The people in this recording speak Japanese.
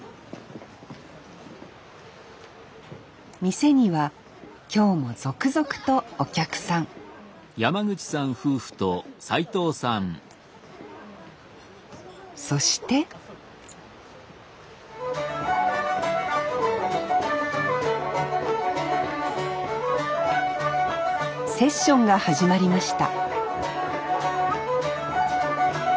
店には今日も続々とお客さんそしてセッションが始まりました